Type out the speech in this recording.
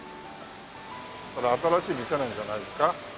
これ新しい店なんじゃないですか？